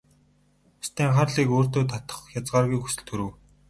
Бусдын анхаарлыг өөртөө татах хязгааргүй хүсэл төрөв.